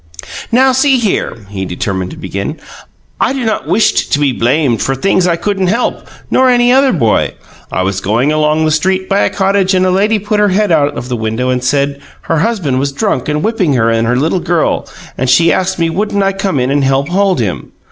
"Now see here," he determined to begin; "I do not wished to be blamed for things I couldn't help, nor any other boy. I was going along the street by a cottage and a lady put her head out of the window and said her husband was drunk and whipping her and her little girl, and she asked me wouldn't I come in and help hold him.